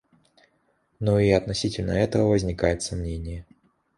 Но и относительно этого возникает сомнение.